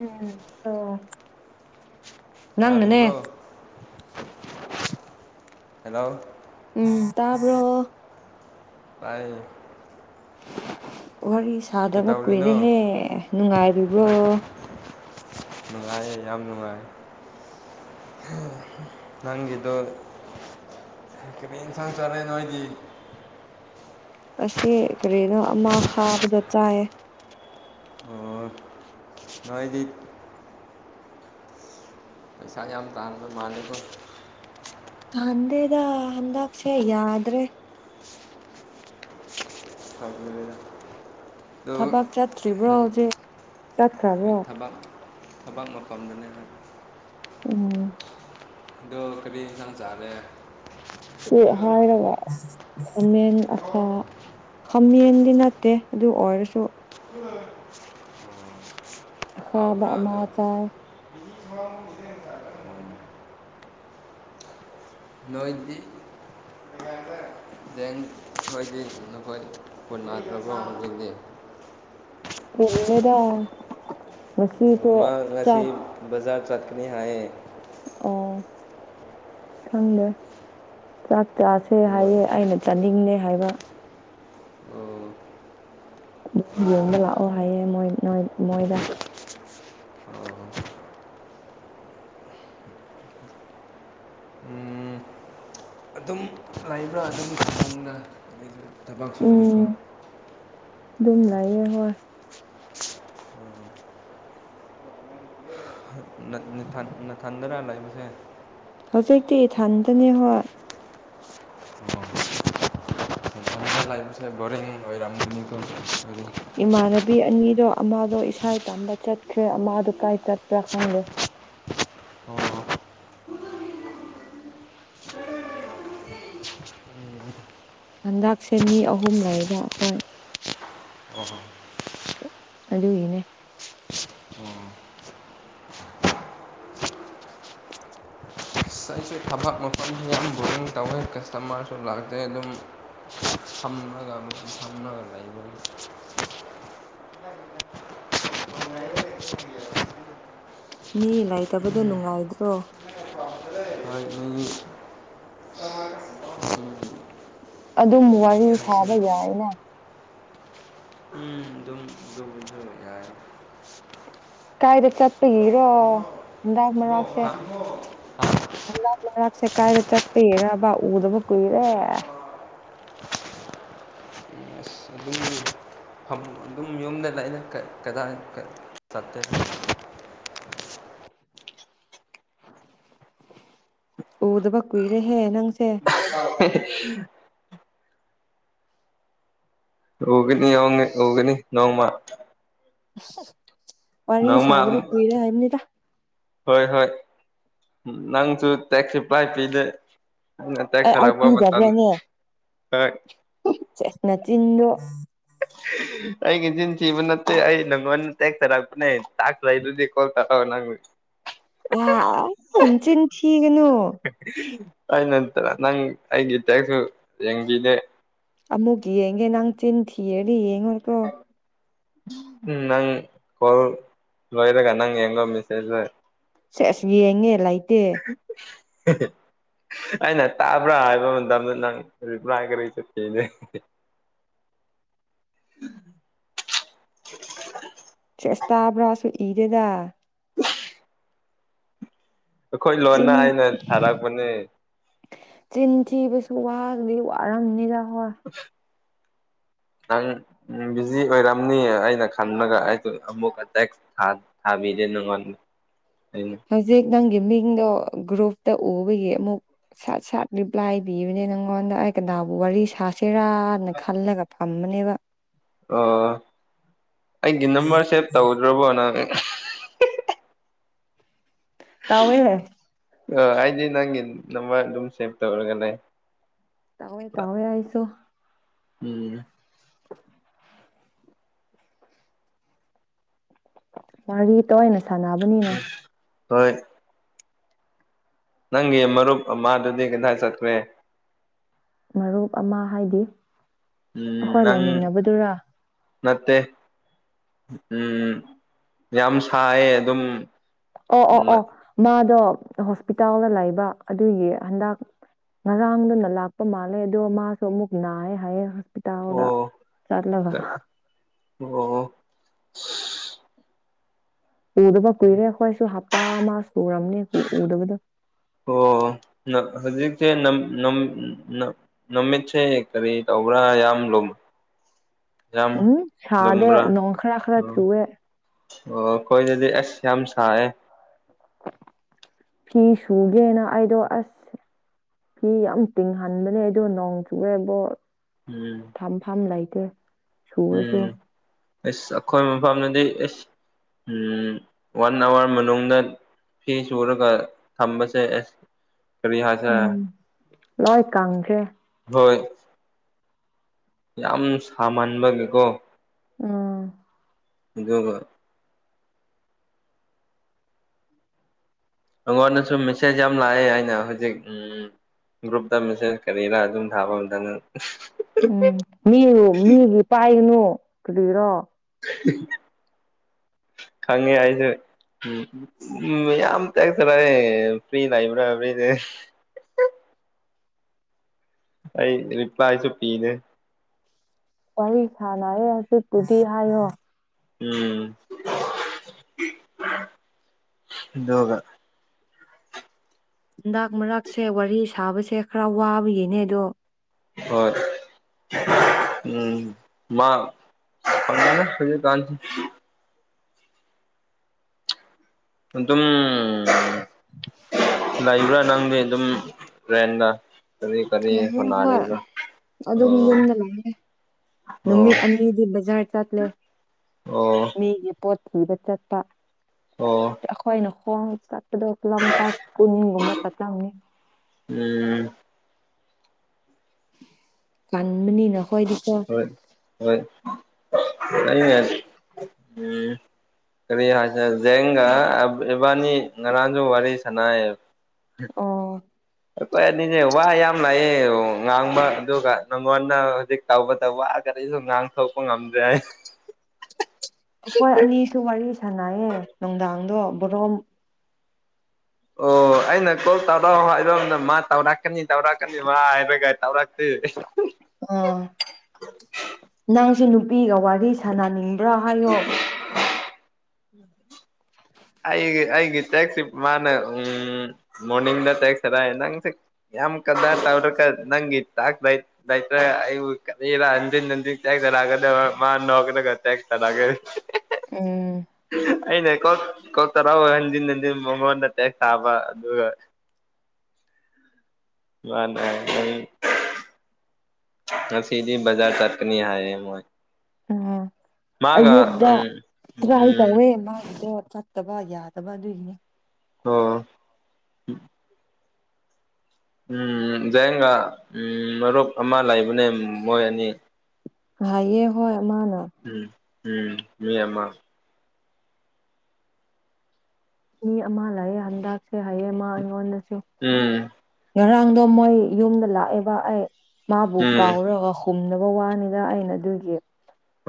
ꯎꯝ ꯑꯣ ꯅꯪꯅꯅꯦ ꯇꯥꯔꯤꯕ꯭ꯔꯣ ꯍꯦꯜꯂꯣ꯫ ꯎꯝ ꯇꯥꯄ ꯇꯥꯌꯦ ꯋꯥꯔꯤ ꯁꯥꯗꯕ ꯀꯩꯗꯧꯔꯤꯅꯣ ꯀꯨꯏꯔꯦꯍꯦ ꯅꯨꯡꯉꯥꯏꯔꯤꯕ꯭ꯔꯣ ꯅꯨꯡꯉꯥꯏꯌꯦ ꯌꯥꯝ ꯅꯨꯡꯉꯥꯏ ꯅꯪꯒꯤꯗꯗꯨ ꯀꯔꯤꯟ ꯁ ꯆꯔꯦ ꯅꯣꯣꯏꯗꯤ ꯑꯁꯤ ꯀꯔꯤꯅꯣ ꯑꯃ ꯍꯥꯕꯗ ꯆꯥꯏꯌꯦ ꯑꯣ ꯔꯣꯏꯗꯤ ꯄꯩꯁꯥ ꯌꯥꯝ ꯇꯥꯍꯟꯕ ꯃꯥꯜꯂꯦꯗꯣ ꯍꯗꯦꯗ ꯍꯗꯁ ꯌꯥꯗ꯭ꯔꯦ ꯐꯥꯏꯕ ꯂꯩ ꯂꯩꯅ ꯊꯕꯛ ꯆꯠꯇ꯭ꯔꯤꯕ꯭ꯔꯣ ꯍꯧꯖꯤꯛ ꯆꯠꯈ꯭ꯔꯕ꯭ꯔꯣ ꯑꯗꯨꯕꯥꯡ ꯊꯕꯛ ꯃꯐꯝꯗꯅ ꯍꯥꯏ ꯑꯣꯝ ꯑꯗꯣ ꯀꯔꯤ ꯌꯦꯟꯁꯥꯡ ꯆꯥꯂꯦ ꯍꯥꯏꯔꯒ ꯃꯦꯟ ꯑꯈꯥ ꯈꯥꯃꯦꯟꯗꯤ ꯅꯠꯇꯦ ꯑꯗꯨ ꯑꯣꯏꯔꯁꯨ ꯎꯝ ꯍꯥ ꯃꯥ ꯆꯥꯏ ꯊ ꯅꯣꯏꯗꯤ ꯦꯡ ꯑꯩꯣꯏꯗꯤ ꯅꯈꯣꯏ ꯀꯟ ꯃꯊ꯭ꯔꯕꯖꯤꯗꯤ ꯄꯨꯜꯂꯦꯗ ꯉꯁꯨ ꯃꯥ ꯆꯥꯛ ꯉꯁꯤ ꯕꯖꯥꯔ ꯆꯥꯛꯠꯀꯅꯤꯌꯦ ꯑꯣ ꯊꯪꯗꯦ ꯆꯥꯛ ꯆꯥꯁꯦ ꯑꯩꯉꯣꯟ ꯍꯥꯏꯌꯦ ꯑꯩꯅ ꯆꯥꯅꯤꯡꯅꯦ ꯍꯥꯏꯕ ꯌꯦꯡꯕ ꯂꯥꯛꯑꯣ ꯍꯥꯏꯌꯦꯦ ꯃꯣꯏ ꯅꯣꯏ ꯃꯣꯏꯗ ꯎꯝ ꯑꯗꯨꯝ ꯂꯩꯥꯛꯕ꯭ꯔꯥ ꯑꯗꯨꯝꯅ ꯑ ꯊꯕꯛ ꯁꯨꯕꯗꯤꯀꯣ ꯎꯝ ꯑꯗꯨꯝ ꯂꯩꯥꯛꯌꯦ ꯍꯣꯏ ꯅꯤꯡꯊ ꯅꯊꯟꯗꯅ ꯂꯩꯕꯁꯦ ꯍꯧꯖꯤꯛꯇꯤ ꯊꯟꯗꯅꯦ ꯍꯣꯏ ꯎꯝ ꯂꯥꯏꯁ ꯕꯔꯤꯡ ꯍꯥꯏꯔꯝꯅꯤꯊꯧ ꯏꯃꯥꯟꯅꯕꯤ ꯑꯅꯤꯗꯣ ꯑꯃꯗꯣ ꯏꯁꯥ ꯇꯝꯕ ꯆꯠꯈ꯭ꯔꯦ ꯑꯃꯗꯣ ꯀꯥꯏ ꯆꯠꯄ꯭ꯔꯥ ꯈꯪꯗꯦ ꯑꯣ ꯍꯟꯗꯛꯁꯦ ꯃꯤ ꯑꯍꯨꯝ ꯂꯩꯕ ꯍꯣꯏ ꯑꯣꯍꯣ ꯑꯗꯨꯒꯤꯅꯦ ꯁ ꯑꯩ ꯊꯕꯛ ꯃꯐꯝꯁꯤ ꯌꯥꯝ ꯕꯣꯔꯤꯡ ꯇꯧꯋꯦ ꯀꯁꯇꯃꯔꯁꯨ ꯂꯥꯛꯇꯦ ꯑꯗꯨꯝ ꯁꯝ ꯁꯝꯅ ꯂꯥꯏꯕ ꯦꯁ ꯃꯤ ꯏ ꯂꯩꯥꯏ ꯇꯕꯗꯤꯣ ꯅꯨꯡꯉꯥꯏꯗ꯭ꯔꯣ ꯑꯩꯣꯏꯒꯤ ꯑꯗꯨꯝ ꯋꯥꯔꯤ ꯁꯥꯕ ꯌꯥꯏꯅ ꯎꯝꯁꯨꯣ ꯀꯥꯏꯗ ꯆꯠꯄꯒꯤꯔꯣ ꯍꯟꯗꯥꯛ ꯃꯔꯥꯛꯁꯦ ꯍꯒꯥ ꯂꯩꯔꯛꯁꯦ ꯀꯥꯏꯗ ꯆꯠꯄꯒꯤꯔꯕꯕꯥ ꯎꯗꯕ ꯀꯨꯏꯔꯦ ꯑꯁ ꯑꯗꯨꯝ ꯑꯗꯨꯝ ꯌꯨꯝꯗꯗ ꯑꯩꯅ ꯀꯗꯥ ꯁꯇ ꯎꯗꯕ ꯀꯨꯏꯔꯦꯍꯦ ꯅꯪꯁꯦ [inaudible] ꯎꯒꯅꯤ ꯌꯥꯎꯉ ꯎꯒꯅꯤ ꯅꯣꯡꯃ ꯋꯥꯔꯤꯔꯤ ꯅꯣꯡꯃ ꯆꯥꯗꯨꯕ ꯀꯍꯤꯔꯦ ꯍꯥꯏꯝꯅꯤꯗ ꯍꯣꯏ ꯍꯣꯏ ꯅꯪꯁꯨ ꯇꯦꯛꯁꯄꯥꯏ ꯄꯤꯗꯦ ꯇ ꯑꯩ ꯈꯔ ꯑꯩ ꯋꯥ ꯃꯇꯝ ꯄꯤꯗꯕ꯭ꯔꯥꯅꯦ ꯃꯇꯝ ꯀ ꯆꯅꯆꯗꯨ ꯑꯩꯒꯤꯁꯤꯟ ꯁꯤꯕ ꯅꯠꯇꯦ ꯑꯩ ꯅꯪꯉꯣꯟꯗ ꯇꯦꯛꯊꯔꯛꯄꯅꯦ ꯇꯥꯛꯁꯗꯨꯗꯤ ꯀꯣꯜ ꯇꯧꯔꯛꯑꯣ ꯅꯪ ꯑ ꯍꯆꯅꯤ ꯊꯒꯅꯨ ꯑꯩ ꯅꯠꯇꯅ ꯅꯪ ꯑꯩꯒꯤ ꯇꯦꯛꯁꯨ ꯌꯦꯡꯕꯤꯅꯦ ꯑꯃꯨꯛ ꯌꯦꯡꯒꯦ ꯅꯪ ꯆꯤꯟ ꯊꯤꯔꯔ ꯌꯦꯡꯉ ꯑ ꯎꯝ ꯅꯪ ꯀꯣꯜ ꯂꯣꯏꯣꯏꯗꯒ ꯅꯪ ꯌꯦꯒꯣ ꯃꯁꯦꯖ ꯁꯦ ꯑꯁ ꯌꯦꯡꯉꯦ ꯂꯩꯇꯦ [unintelligible] ꯑꯩꯅ ꯇꯥꯕ꯭ꯔꯥ ꯍꯥꯏꯕ ꯃꯇꯝꯗ ꯅꯪ ꯔꯤꯄ꯭ꯂꯥꯏ ꯀꯔꯤ ꯆꯠꯀꯦꯅꯦ ꯎꯝ ꯆꯦꯁ ꯇꯥꯕ꯭ꯔꯥꯁꯨ ꯏꯗꯦꯗ ꯑꯩꯈꯣꯏ ꯂꯣꯟꯅ ꯆꯤꯟ ꯑꯩꯅ ꯊꯥꯔꯛꯄꯅꯦ ꯆꯤꯟꯊꯤꯕꯁꯨ ꯋꯥꯗꯤ ꯋꯥꯔꯝꯅꯤꯔ ꯋꯥ ꯑꯪ ꯎꯝ ꯕꯤꯖꯤ ꯑꯣꯏꯔꯝꯅꯤ ꯑꯩꯅ ꯈꯟꯕꯒ ꯑꯩꯗ ꯑꯃꯨꯛꯀꯦꯛ ꯊ ꯊꯥꯕꯤꯗ ꯅꯉꯣ ꯍꯧꯖꯤꯛ ꯅꯪꯒꯤ ꯃꯤꯡꯗꯣ ꯒ꯭ꯔꯨꯞꯇ ꯎꯕꯒꯤ ꯑꯃꯨꯛ ꯁꯠ ꯁꯠ ꯔꯤꯄ꯭ꯂꯥꯏꯕꯤꯕꯅꯦ ꯅꯪꯉꯣꯟꯗ ꯑꯩ ꯀꯅꯥꯕꯨ ꯋꯥꯔꯤ ꯁꯥꯁꯤ ꯁꯦꯔꯥꯟꯅ ꯈꯜꯂꯒ ꯐꯝꯕꯅꯦꯕ ꯑꯣ ꯑꯩꯒꯤ ꯅꯝꯕꯔ ꯁꯦꯚ ꯇꯧꯗ꯭ꯔꯕꯣ ꯅꯪ ꯇꯧꯋꯦ ꯑ ꯑꯩꯗꯤ ꯅꯪꯒꯤ ꯅꯝꯕꯔ ꯑꯗꯨꯝ ꯁꯦꯚ ꯇꯧꯔꯒ ꯂꯩ ꯇꯋꯦ ꯇꯋꯦ ꯍꯥꯏꯥꯏꯁꯣ ꯎꯝ ꯋꯥꯔꯤ ꯇꯣꯏꯅꯥ ꯁꯥꯟꯅꯕꯅꯤꯅ ꯍꯣꯏ ꯅꯪꯒꯤ ꯃꯔꯨꯞ ꯑꯃꯗꯨꯗꯤ ꯀꯗꯥꯏ ꯆꯠꯈ꯭ꯔꯦ ꯃꯔꯨꯞ ꯑꯃ ꯍꯥꯏꯗꯤ ꯎꯝ ꯑꯩꯈꯣꯏ ꯅꯪ ꯂꯩꯃꯤꯟꯅꯕꯗꯨꯔꯥ ꯅꯠꯇꯦ ꯎ ꯌꯥꯝ ꯁꯥꯏꯌꯦ ꯑꯗꯨꯝ ꯑꯣ ꯑꯣ ꯑꯣ ꯃꯥꯗꯣ ꯍꯣꯁꯄꯤꯇꯥꯜꯗ ꯂꯩꯕ ꯑꯗꯨꯒꯤ ꯍꯟꯗꯛ ꯉꯔꯥꯡꯗꯨꯅ ꯂꯥꯛꯄ ꯃꯥꯜꯂꯦ ꯑꯗꯣ ꯃꯥꯁꯨ ꯑꯃꯨꯛ ꯅꯥꯏꯑꯦ ꯍꯥꯏꯌꯦꯦꯇꯥ ꯑꯣ ꯑꯣ ꯎꯗꯕ ꯀꯨꯏꯔꯦ ꯑꯩꯈꯣꯏꯁꯨ ꯍꯞꯇꯥ ꯑꯃ ꯁꯨꯨꯔꯅꯦ ꯎꯗꯕꯗꯣ ꯑꯣ ꯍꯧꯖꯤꯛꯇꯤ ꯅꯝ ꯅꯥꯝ ꯅꯃꯤꯠꯁꯦ ꯀꯔꯤ ꯇꯧꯕ꯭ꯔ ꯌꯥꯝꯝ ꯂꯣꯃ ꯎꯝ ꯁꯥꯗꯦ ꯂꯨꯝꯕ꯭ꯔꯥ ꯅꯣꯡ ꯈꯔ ꯈꯔ ꯆꯨꯋꯦ ꯑꯣ ꯑꯩꯈꯣꯏꯗꯗꯤ ꯑꯁ ꯌꯥꯝ ꯁꯥꯏꯌꯦ ꯐꯤ ꯁꯨꯒꯦꯅ ꯑꯩꯗꯣ ꯑꯁ ꯐꯤ ꯌꯥꯝ ꯇꯤꯡꯍꯟꯕꯅꯦ ꯑꯩꯗꯣ ꯅꯣꯡ ꯆꯨꯂꯦꯕꯣ ꯎꯝ ꯊꯝ ꯐꯝ ꯂꯩꯇꯦ꯫ ꯁꯨꯔꯁꯨ ꯎꯝ ꯑꯦꯁ ꯑꯩꯈꯣꯏ ꯃꯐꯝꯗꯗꯤ ꯑꯦꯁ ꯎꯝ ꯋꯥꯟ ꯑꯋꯥꯔ ꯃꯅꯨꯡꯗ ꯐꯤ ꯁꯨꯔꯒ ꯊꯝꯕꯁꯦ ꯑꯁ ꯀꯔꯤ ꯍꯥꯏꯁꯦꯔꯥ ꯎꯝ ꯂꯣꯏ ꯀꯪꯈ꯭ꯔꯦ ꯍꯣꯏ ꯌꯥꯝ ꯁꯥꯃꯟꯕꯒꯤꯀꯣ ꯎꯝ ꯑꯗꯨꯒꯥ ꯅꯪꯉꯣꯟꯗꯁꯨ ꯃꯦꯁꯦꯖ ꯌꯥꯝ ꯂꯥꯛꯑꯦ ꯑꯩꯅ ꯍꯧꯖꯤꯛ ꯎꯝ ꯒ꯭ꯔꯨꯞꯇ ꯃꯦꯁꯦꯁ ꯀꯔꯤꯔꯥ ꯑꯗꯨꯝ ꯊꯥꯕ ꯃꯇꯝꯗꯅ ꯎꯝ ꯃꯤꯕꯨ ꯃꯤꯒꯤ ꯄꯥꯏꯒꯅꯨ ꯀꯂꯤꯔꯣ ꯈꯪꯉꯦ ꯑꯩꯁꯨ ꯎꯝ ꯎꯝ ꯌꯥꯝ ꯇ ꯇꯔꯔꯦ ꯐꯔꯤ ꯅꯏꯕ꯭ꯔꯥ ꯐꯔꯤꯅꯦ ꯑꯩ ꯔꯤꯄ꯭ꯂꯥꯏꯁꯨ ꯄꯤꯗꯦ ꯋꯥꯔꯤ ꯁꯥꯥꯟꯅꯩꯌꯦ ꯍꯧꯖꯤꯛꯄꯨꯗꯤ ꯍꯥꯏꯌꯣ ꯎꯝ ꯑꯗꯨꯒ ꯍꯟꯗꯥꯛ ꯃꯔꯛꯁꯦ ꯋꯥꯔꯤ ꯁꯥꯕꯁꯦ ꯈꯔ ꯋꯥꯕꯒꯤꯅꯦ ꯑꯗꯣ ꯍꯣꯏ ꯎꯝ ꯃꯥ ꯐꯪꯗ ꯍꯧꯖꯤꯛ ꯀꯥꯟꯁꯤ ꯑꯗꯨꯝ ꯂꯩꯕ꯭ꯔꯥ ꯅꯪꯗꯤ ꯑꯗꯨꯝ ꯔꯦꯟꯗ ꯀꯔꯤ ꯀꯔꯤ ꯂꯩꯌꯦ ꯍꯣꯏ ꯍꯣꯠꯅꯔꯤꯕ꯭ꯔꯥ ꯑꯗꯨꯝ ꯑꯣ ꯌꯨꯝꯗ ꯂꯥꯛꯑꯒꯦ ꯑꯣ ꯅꯨꯃꯤꯠ ꯑꯅꯤ ꯉꯁꯤ ꯕꯥꯖꯥꯔ ꯆꯠꯂꯦ ꯑꯣ ꯃꯤꯒꯤ ꯄꯣꯠ ꯊꯤꯕ ꯆꯠꯄ ꯑꯣ ꯑꯩꯈꯣꯏꯅ ꯈꯣꯡ ꯆꯠꯄꯗꯣ ꯀꯤꯂꯣꯝꯃꯤꯇꯔ ꯀꯨꯟꯒꯨꯝꯕ ꯆꯠꯂꯝꯅꯤ ꯎꯝ ꯀꯟꯕꯅꯤ ꯅꯈꯣꯏꯗꯤꯀꯣ ꯍꯣꯏ ꯍꯣꯏ ꯑ ꯎꯝ ꯀꯔꯤ ꯍꯥꯏꯁꯤꯔ ꯖꯦꯡꯒ ꯏꯕꯥꯅꯤ ꯉꯔꯥꯡꯁꯨ ꯋꯥꯔꯤ ꯁꯟꯅꯩ ꯑꯣ ꯑꯩꯈꯣꯏ ꯑꯅꯤꯅꯦ ꯋꯥ ꯌꯥꯝ ꯂꯥꯛꯑ ꯉꯥꯡꯕ ꯑꯗꯨꯒ ꯅꯪꯉꯣꯟꯗ ꯍꯧꯖꯤꯛ ꯇꯧꯕ ꯇꯧꯕ ꯀꯔꯤ ꯁꯨꯝ ꯉꯥꯡ ꯊꯣꯛꯄ ꯉꯝꯗ꯭ꯔꯦ ꯑꯩ ꯑꯩꯈꯣꯏ ꯑꯅꯤꯁꯨ ꯋꯥꯔꯤ ꯁꯥꯟꯅꯩꯌꯦ ꯅꯨꯡꯗꯥꯡꯗꯣ ꯕꯣꯔꯣ ꯑꯣ [unintelligible] ꯑꯩꯅ ꯀꯣꯜ ꯇꯧꯔꯛꯑꯣ ꯍꯥꯏꯔꯝꯗ ꯃꯥ ꯇꯧꯔꯛꯀꯅꯤ ꯇꯧꯔꯛꯀꯅꯤ ꯃꯥ ꯍꯥꯏꯔꯒ ꯇꯧꯔꯛꯇꯦ ꯑꯥ ꯅꯪꯁꯨ ꯅꯨꯄꯤꯒ ꯋꯥꯔꯤ ꯁꯥꯟꯅꯅꯤꯡꯕ꯭ꯔꯥ ꯍꯥꯏꯌꯣ ꯎꯝ [inaudible] ꯑꯩꯒꯤ ꯑꯩꯒꯤ ꯇꯦꯛꯁꯁꯤꯞ ꯃꯥꯅ ꯎꯝ ꯃꯣꯔꯅꯤꯡꯗ ꯇꯦꯛꯁ ꯊꯥꯔꯛꯑꯦ ꯅꯪꯁꯦ ꯌꯥꯝ ꯀꯗꯥꯇ꯭ꯔ ꯇꯧꯔꯒꯥ ꯅꯪꯒꯤ ꯆꯥꯛ ꯂꯩ ꯏꯇ ꯅꯟꯖꯤ ꯅꯟꯖꯤ ꯆꯒꯗ ꯃꯥ ꯅ ꯇꯔꯒ [unintelligible] ꯎꯝ ꯑꯩꯅ ꯀꯣꯛ ꯀꯣꯛ ꯇꯔꯥ ꯍ ꯍꯟꯖꯤꯟ ꯍꯟꯖꯤꯟ ꯃꯉꯣꯟꯗ ꯇꯦꯛ ꯁꯥꯥꯕ ꯑꯗꯨꯒ ꯃꯥꯅ ꯑꯩ ꯉꯁꯤꯗꯤ ꯕꯖꯥꯔ ꯆꯠꯀꯅꯤ ꯍꯥꯏꯔꯦ ꯃꯣꯏ ꯎꯝ ꯃꯥꯒ ꯑꯌꯨꯛꯗ ꯎꯝ ꯇ꯭ꯔꯥꯏ ꯎꯝ ꯇꯧꯋꯦ ꯃꯥꯒꯤꯗꯣ ꯆꯠ ꯠꯇꯕ ꯌꯥꯗꯕ ꯑꯗꯨꯒꯤꯅꯦ ꯑꯣ ꯎꯝ ꯖꯌꯦꯡꯒ ꯎꯝ ꯃꯔꯨꯞ ꯑꯃ ꯂꯩꯕꯅꯦ ꯃꯣꯏ ꯑꯅꯤ ꯍꯥ [inaudible] ꯑꯃꯅꯥ ꯎꯝ ꯎꯝ ꯃꯤ ꯑꯃ ꯃꯤ ꯑꯃ ꯂꯩꯌꯦ ꯍꯟꯗꯛꯁꯦ ꯍꯥꯏꯌꯦ ꯃꯥ ꯑꯩꯉꯣꯡꯗꯁꯨ ꯎꯝ ꯉꯔꯥꯡꯗꯣ ꯃꯣꯏ ꯌꯨꯝꯗ ꯂꯥꯛꯑꯦꯕ ꯑꯩ ꯃꯥꯕꯨ ꯎꯝ ꯀꯥꯎꯔꯒ ꯄꯨꯝꯗꯕ ꯋꯥꯅꯤꯗ ꯑꯩꯅ ꯑꯗꯨꯒꯤ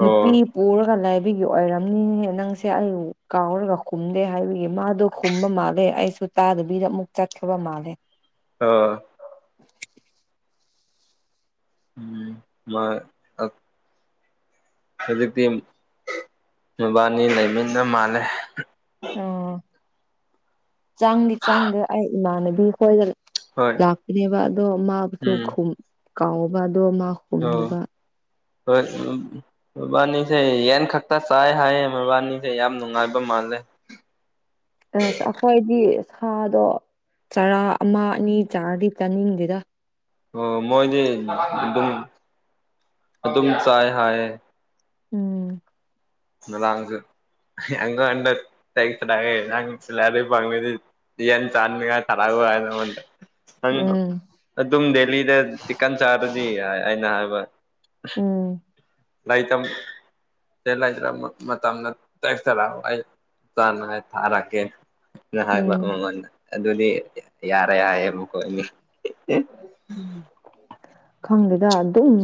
ꯅꯨꯄꯤ ꯄꯨꯔꯒ ꯂꯥꯏꯕꯤꯒꯤ ꯑꯣꯏꯔꯝꯅꯤꯍꯦ ꯅꯪꯁꯦ ꯑꯩ ꯀꯥꯎꯔꯒ ꯈꯨꯝꯗꯦ ꯍꯥꯏꯕꯒꯤ ꯃꯥꯗꯣ ꯈꯨꯝꯕ ꯃꯥꯜꯂꯦ ꯑꯩꯁꯨ ꯇꯥꯗꯕꯤꯗ ꯑꯃꯨꯛ ꯆꯠꯈ꯭ꯔꯥꯕ ꯃꯥꯜꯂꯦ ꯑꯣ [unintelligible] ꯎꯝ ꯃꯥ ꯍꯧꯖꯤꯛꯇꯤ ꯃꯕꯥꯅꯤ ꯂꯩꯃꯤꯟꯅ ꯃꯥꯜꯂꯦ ꯑꯣ ꯆꯥꯡꯗꯤ ꯆꯥꯡꯗꯔꯦ ꯑꯩ ꯏꯃꯥꯟꯅꯕꯤ ꯈꯣꯏꯒ ꯍꯣꯏ ꯂꯥꯛꯕꯅꯦꯕ ꯑꯗꯣ ꯎꯝ ꯃꯥꯕꯨꯁꯨꯨ ꯀꯥꯎꯕ ꯑꯗꯣ ꯃꯥ ꯑꯣ ꯈꯨꯝꯗꯕ ꯍꯣꯏ ꯎꯝ ꯃꯕꯥꯅꯤꯁꯦ ꯌꯦꯟ ꯈꯛꯇ ꯆꯥꯏ ꯍꯥꯏꯌꯦ ꯃꯕꯥꯏꯅꯤꯁꯦ ꯌꯥꯝ ꯅꯨꯡꯉꯥꯏꯕ ꯃꯥꯜꯂꯦ ꯑꯁ ꯑꯩꯈꯣꯏꯗꯤ ꯁꯥꯗꯣ ꯆꯔꯥ ꯑꯃ ꯑꯅꯤ ꯆꯥꯔꯗꯤ ꯆꯥꯅꯤꯡꯗꯦꯗ ꯑꯣ ꯃꯣꯏꯗꯤ ꯑꯗꯨꯝ ꯑꯗꯨꯝ ꯆꯥꯏ ꯍꯥꯏ ꯎꯝ ꯣ ꯇꯦ ꯁꯤꯥꯏꯔ ꯄꯗꯤ [unintelligible] ꯌꯦꯟ ꯆꯥꯅꯤꯉꯥꯢ ꯊꯔꯛꯎ ꯍꯥꯏ ꯑꯩꯉꯣꯟꯗ ꯅꯪ ꯎꯝ ꯑꯗꯨꯝ ꯗꯦꯂꯤꯗ ꯆꯤꯛꯀꯟ ꯆꯥꯗꯗꯤ ꯍꯥꯏ ꯑꯩꯅ ꯍꯥꯏꯕ ꯎꯝ ꯂꯥꯏꯇꯝ ꯆꯂ [inaudible] ꯃꯇꯝꯗ ꯇꯦꯛꯊꯔꯛꯑꯣ ꯑꯩ ꯆꯥꯅꯉꯥꯏ ꯊꯥꯔꯛꯀꯦ ꯍꯥꯏꯕ ꯎꯝ ꯑꯝ ꯃꯉꯣꯡꯗ ꯑꯗꯨꯗꯤ ꯌꯥꯔꯦ ꯌꯥꯌꯦ ꯑꯃꯨꯛꯀꯣ ꯈꯪꯗꯦꯗ ꯑꯗꯨꯝ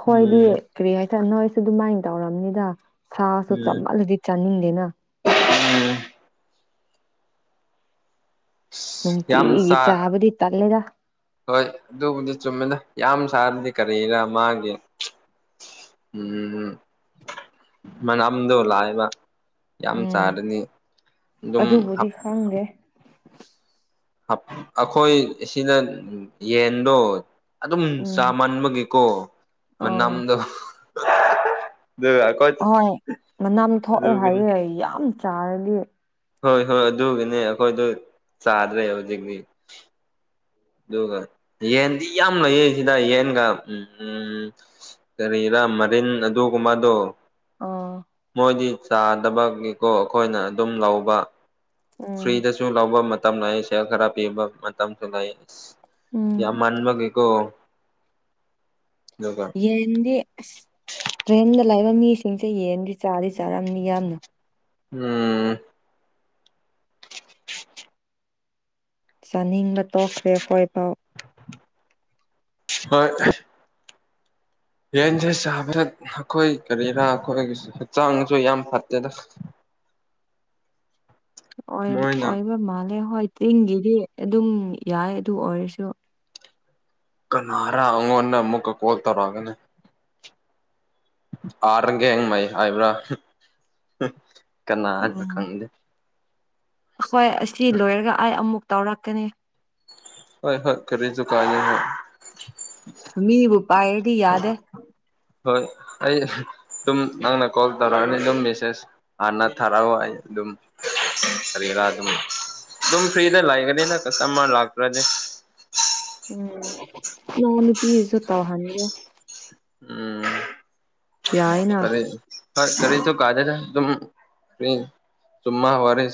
ꯈꯣꯏꯗꯤ ꯎꯝ ꯀꯔꯤ ꯍꯥꯏꯇꯥꯔꯦ ꯅꯣꯏ ꯑꯩꯁꯨ ꯑꯗꯨꯃꯥꯏꯅ ꯇꯧꯔꯕꯝꯅꯤꯗ ꯎꯝ ꯁꯥꯁꯨ ꯆꯝꯃꯜꯂꯗꯤ ꯆꯥꯅꯤꯡꯗꯦꯅ ꯎꯝ ꯌꯥꯝ ꯅꯨꯡꯇꯤꯒꯤ ꯆꯥ ꯆꯥꯕꯗꯤ ꯇꯜꯂꯦꯗꯥ ꯍꯣꯏ ꯑꯗꯨꯕꯨꯗꯤ ꯆꯨꯝꯃꯤꯅ ꯌꯥꯝ ꯁꯥꯔꯗꯤ ꯀꯔꯤꯔꯥ ꯃꯥꯒꯤ ꯎꯝ ꯎꯝ ꯃꯅꯥꯝꯗꯣ ꯂꯥꯛꯌꯦꯕ ꯌꯥꯝ ꯎꯝ ꯆꯥꯔꯅꯤ ꯑꯗꯨꯝ ꯑꯗꯨꯕꯨꯗꯤ ꯈꯪꯗꯦ ꯑꯞ ꯑꯩꯈꯣꯏ ꯁꯤꯗ ꯌꯦꯟꯗꯣ ꯑꯗꯨꯝ ꯎꯝ ꯆꯥꯃꯟꯕꯒꯤ ꯀꯣ ꯑꯥ ꯃꯅꯥꯝꯗꯣ ꯑꯗꯨꯒ ꯑꯍꯣꯏ ꯃꯅꯥꯝ ꯊꯣꯛꯑꯦ ꯍꯥꯏꯌꯦꯦ ꯑꯩ ꯌꯥꯝ ꯆꯥꯔꯗꯤ ꯍꯣꯏ ꯍꯣꯏ ꯑꯗꯨꯒꯤꯅꯦ ꯑꯩꯈꯣꯏꯗ ꯆꯥꯗ꯭ꯔꯦ ꯍꯧꯖꯤꯛꯇꯤ ꯑꯗꯨꯒ ꯌꯦꯟꯗꯤ ꯌꯥꯝ ꯂꯩꯌꯦ ꯁꯤꯗ ꯌꯦꯟꯒ ꯎꯝ ꯀꯔꯤꯔꯥ ꯃꯔꯤꯟ ꯑꯗꯨꯒꯨꯝꯕꯗꯣ ꯑꯥ ꯃꯣꯏꯗꯤ ꯆꯥꯗꯕꯒꯤꯀꯣ ꯑꯩꯈꯣꯏꯅ ꯑꯗꯨꯝ ꯂꯧꯕ ꯎꯝ ꯐ꯭ꯔꯤꯗꯁꯨ ꯂꯧꯕ ꯃꯇꯝ ꯂꯩ ꯁꯦꯜ ꯈꯔ ꯄꯤꯕ ꯃꯇꯝꯁꯨ ꯂꯩ ꯑꯁ ꯎꯝ ꯌꯥꯝꯃꯟꯕꯒꯤꯀꯣ ꯑꯗꯨꯒ ꯌꯦꯟꯗꯤ ꯑꯁ ꯔꯦꯟꯗ ꯂꯩꯕ ꯃꯤꯁꯤꯡꯁꯦ ꯌꯦꯟꯗꯤ ꯆꯥꯗꯤ ꯆꯥꯔꯝꯅꯤ ꯌꯥꯝꯅ ꯎꯝ ꯆꯥꯅꯤꯡꯕ ꯇꯣꯛꯈ꯭ꯔꯦ ꯑꯩꯈꯣꯏꯐꯥꯎ ꯍꯣꯏ ꯌꯦꯟꯁꯦ ꯁꯥꯕꯗ ꯑꯩꯈꯣꯏ ꯀꯔꯤꯔꯥ ꯑꯩꯈꯣꯏꯒꯤ ꯍꯛꯆꯥꯡꯁꯨ ꯌꯥꯝ ꯐꯠꯇꯦꯗ ꯑꯣꯏ ꯃꯣꯏꯅ ꯑꯣꯏꯕ ꯃꯥꯜꯂꯦ ꯍꯣꯏ ꯇꯤꯟꯒꯤꯗꯤ ꯑꯗꯨꯝ ꯌꯥꯏ ꯑꯗꯨ ꯑꯣꯏꯔꯁꯨ ꯀꯅꯥꯔꯥ ꯑꯩꯉꯣꯟꯗ ꯑꯃꯨꯛꯀ ꯀꯣꯜ ꯇꯧꯔꯛꯑꯒꯅꯤ ꯑꯥꯔꯒꯦꯡ ꯃꯩ ꯍꯥꯏꯕ꯭ꯔꯥ ꯀꯅꯥꯅ ꯎꯝ ꯈꯪꯗꯦ ꯍꯣꯏ ꯑꯁꯤ ꯂꯣꯏꯔꯒ ꯑꯩ ꯑꯃꯨꯛ ꯇꯧꯔꯛꯀꯅꯤ ꯍꯣꯏ ꯍꯣꯏ ꯀꯔꯤꯁꯨ ꯀꯥꯥꯏꯗꯦ ꯍꯣꯏ ꯃꯤꯕꯨ ꯄꯑꯗꯤ ꯌꯥꯗ ꯑꯦ ꯍꯣꯏ ꯑꯩ ꯑꯗꯨꯝ ꯅꯪꯅ ꯀꯣꯜ ꯇꯧꯔꯛꯑꯅꯤ ꯑꯗꯨꯝ ꯃꯦꯁꯦꯖ ꯍꯥꯟꯅ ꯊꯥꯔꯛꯑꯣ ꯑꯩ ꯑꯗꯨꯝ ꯁꯔꯤꯔꯥ ꯑꯗꯨꯝ ꯑꯗꯨꯝ ꯐ꯭ꯔꯤ ꯊ ꯂꯥꯛꯒꯅꯤꯅꯦ ꯀꯁꯝ ꯂꯥꯛꯇ꯭ꯔꯖꯦ ꯎꯝ ꯅ ꯅꯨꯨꯄꯤꯤꯁꯨ ꯇ ꯋꯥ ꯍꯥꯏꯒ ꯎꯝ ꯌꯥꯏꯅ ꯐꯔꯦ ꯍꯣꯏ ꯈꯔꯤꯁꯨ ꯀꯥꯗ ꯆꯨꯃ ꯍꯋꯥꯔꯦ